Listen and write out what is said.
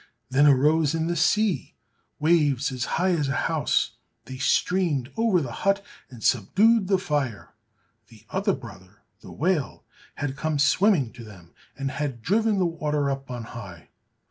Then arose in the sea waves as high as a house, they streamed over the hut, and subdued the fire. The other brother, the whale, had come swimming to them, and had driven the water up on high.